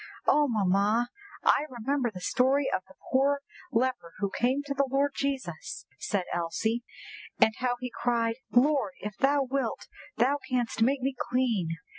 _'" "Oh, mamma! I remember the story of the poor leper who came to the Lord Jesus," said Elsie, "and how he cried, '_Lord if thou wilt, thou canst make me clean!